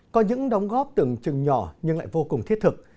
có những đóng góp tưởng chừng nhỏ nhưng lại vô cùng thiết thực